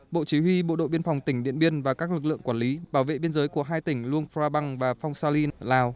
bộ chỉ huy bộ đội biên phòng tỉnh điện biên và các lực lượng quản lý bảo vệ biên giới của hai tỉnh luông pha băng và phong sa linh lào